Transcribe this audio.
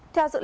theo dự lịch